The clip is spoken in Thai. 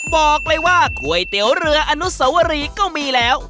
บอกเลยว่าก๋วยเตี๋ยวเรืออนุสวรีก็มีแล้ว